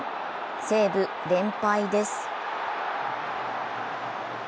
西武、連敗です。